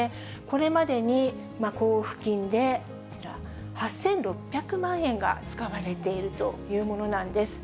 これまでに交付金でこちら、８６００万円が使われているというものなんです。